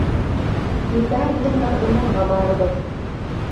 Иртәгә һинең менән урманға барырбыҙ.